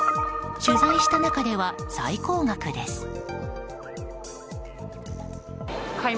取材した中では最高額です。